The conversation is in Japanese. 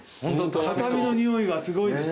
畳の匂いがすごいです。